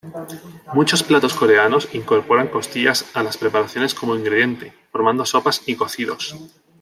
Muchos platos coreanos incorporan costillas a las preparaciones como ingrediente, formando sopas y cocidos.